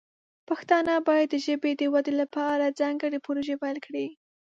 پښتانه باید د ژبې د ودې لپاره ځانګړې پروژې پیل کړي.